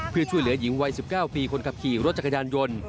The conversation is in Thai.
เพื่อช่วยเหลือหญิงวัย๑๙ปีคนขับขี่รถจักรยานยนต์